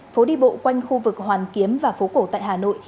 phố đi bộ quanh khu vực hoàn kiếm và phố cổ tại hà nội